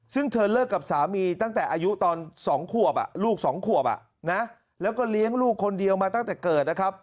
ซึ่งเธอเลิกกับสามีตั้งแต่อายุตอน๒ขวบลูก๒ขวบแล้วก็เลี้ยงลูกคนเดียวมาตั้งแต่เกิดนะครับ